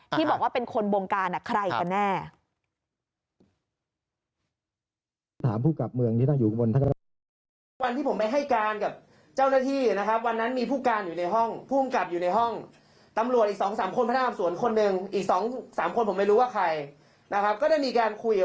ที่บอกว่าเป็นคนบงการใครกันแน่